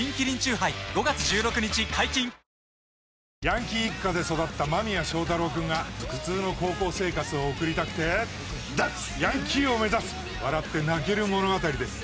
ヤンキー一家で育った間宮祥太朗君が普通の高校生活を送りたくて脱ヤンキーを目指す笑って泣ける物語です。